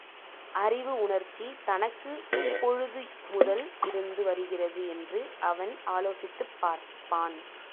அறிவு உணர்ச்சி தனக்கு எப்பொழுது முதல் இருந்து வருகிறது என்று அவன் ஆலோசித்துப் பார்ப்பான்.